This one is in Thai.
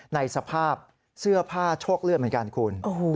ในสภาพเสื้อผ้าโชคเลือดเหมือนกันคุณ